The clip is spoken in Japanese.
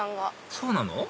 そうなの？